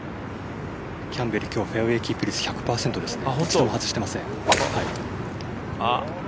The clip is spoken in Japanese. キャンベル、きょう、フェアウエーキープ率１００％ですね